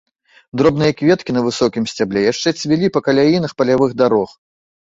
Дробныя кветкі на высокім сцябле яшчэ цвілі па каляінах палявых дарог.